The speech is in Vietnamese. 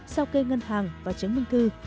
sao kê ngân hàng và chứng minh cư